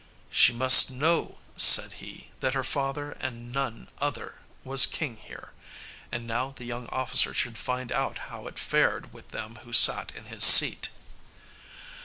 She must know, said he, that her father and none other was king here. And now the young officer should find out how it fared with them who sat in his seat.